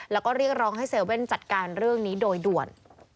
แล้วก็เรียกร้องให้๗๑๑จัดการเรื่องนี้โดยด่วน